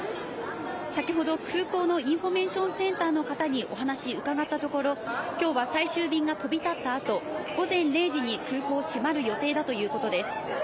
先ほど空港のインフォメーションセンターの方にお話、伺ったところ今日は最終便が飛び立ったあと午前０時に空港が閉まる予定だということです。